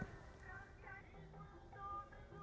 sampai jumpa di video selanjutnya